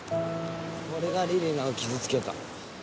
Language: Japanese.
俺が李里奈を傷つけた。